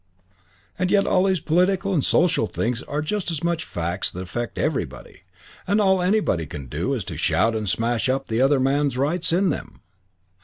And yet all these political and social things are just as much facts that affect everybody, and all anybody can do is to shout and smash up the other man's rights in them.